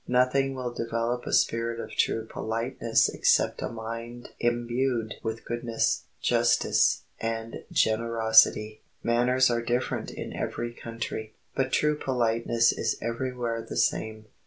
Nothing will develop a spirit of true politeness except a mind imbued with goodness, justness, and generosity. Manners are different in every country; but true politeness is every where the same.